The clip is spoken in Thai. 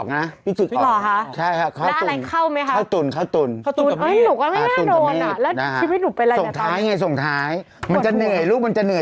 นักวินมาหัวปิวเลย